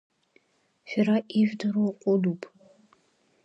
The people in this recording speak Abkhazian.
Шәара ижәдыруа ҟәыдуп.